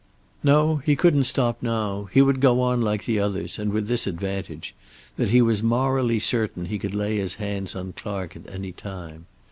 No, he couldn't stop now. He would go on, like the others, and with this advantage, that he was morally certain he could lay his hands on Clark at any time.